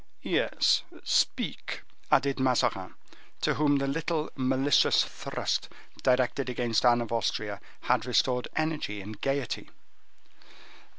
"Yes, speak," added Mazarin, to whom the little malicious thrust directed against Anne of Austria had restored energy and gayety.